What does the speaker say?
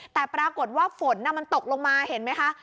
แต่ปรากฏว่าฝนมันตกลงมาเห็นไหมคะ